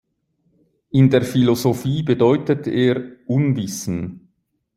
In der Philosophie bedeutet er „Unwissen“.